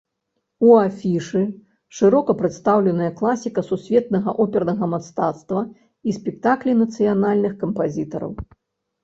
У афішы шырока прадстаўленая класіка сусветнага опернага мастацтва і спектаклі нацыянальных кампазітараў.